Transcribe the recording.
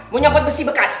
mau nyobot besi bekas